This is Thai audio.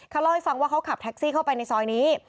เขาเล่าให้ฟังว่าเขาขับแท็กซี่เข้าไปในซอยนี้